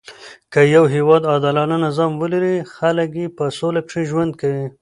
که يو هیواد عادلانه نظام ولري؛ خلک ئې په سوله کښي ژوند کوي.